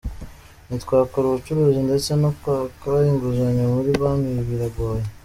Ntitwakora ubucuruzi ndetse no kwaka inguzanyo muri banki biragoye.